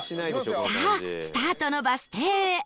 さあスタートのバス停へ